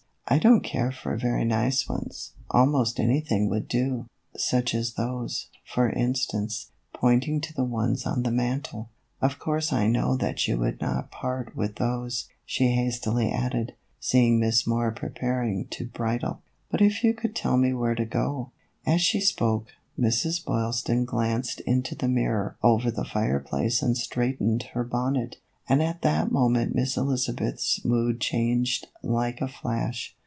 I don't care for very nice ones; almost anything would do, such as those, for instance," pointing to the ones on the mantel. " Of course I know that you would not part with those," she hastily added, seeing Miss Moore preparing to bridle, "but if you could tell me where to go " As she spoke, Mrs. Boylston glanced into the mirror over the fireplace and straightened her bonnet, and at that moment Miss Elizabeth's mood changed like a flash.